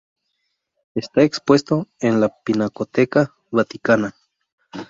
Está expuesto en la Pinacoteca Vaticana.